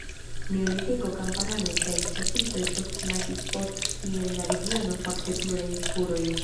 Neolitiko kamparanoj kaj ĉasistoj postlasis post si en la regiono fakte plurajn spurojn.